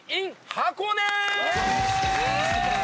箱根！